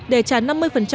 để trả năm mươi tiền